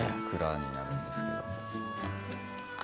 鞍になるんですけど。